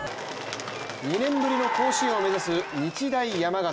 ２年ぶりの甲子園を目指す日大山形。